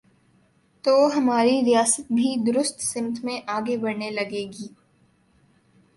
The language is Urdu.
تو ہماری ریاست بھی درست سمت میں آگے بڑھنے لگے گی۔